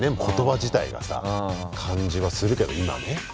言葉自体がさ感じはするけど今ね。